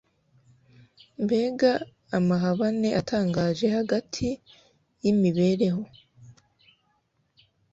Mbega amahabane atangaje hagati yimibereho